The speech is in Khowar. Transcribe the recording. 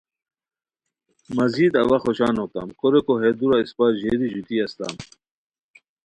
مزید اوا خوشان ہوتام کوریکو ہے دُورہ اِسپہ ژیری ژوتی استام